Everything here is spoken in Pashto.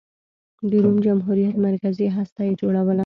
د روم جمهوریت مرکزي هسته یې جوړوله.